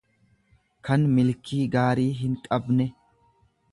kan milkii gaarii hinqabne.